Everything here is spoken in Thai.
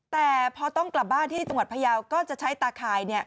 แต่พอต้องกลับบ้านที่จังหวัดพยาวก็จะใช้ตาข่าย